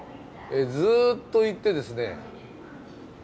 ずっと行ってですね。